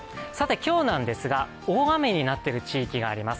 今日なんですが、大雨になっている地域があります。